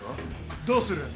どうする？